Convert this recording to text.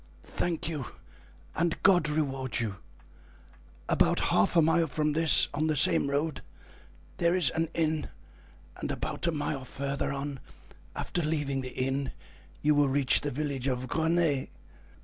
"Thank you, and God reward you! About half a mile from this, on the same road, there is an inn, and about a mile further on, after leaving the inn, you will reach the village of Greney.